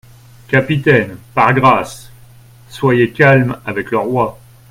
Capitaine, par grâce ! soyez calme avec le roi.